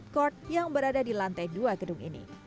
di food court yang berada di lantai dua gedung ini